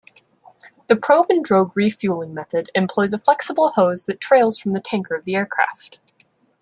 The probe-and-drogue refueling method employs a flexible hose that trails from the tanker aircraft.